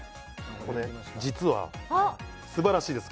ここね実はすばらしいです